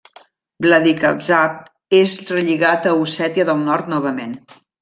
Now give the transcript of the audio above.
Vladikavkaz és relligat a Ossètia del Nord novament.